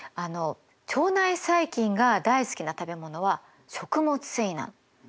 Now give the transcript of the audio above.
腸内細菌が大好きな食べ物は食物繊維なの。